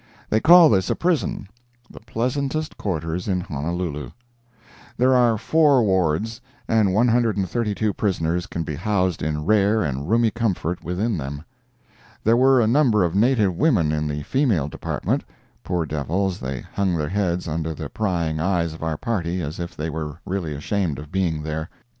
They call this a prison—the pleasantest quarters in Honolulu. There are four wards, and one hundred and thirty two prisoners can be housed in rare and roomy comfort within them. There were a number of native women in the female department. Poor devils, they hung their heads under the prying eyes of our party as if they were really ashamed of being there.